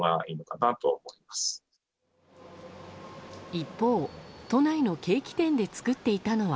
一方、都内のケーキ店で作っていたのは。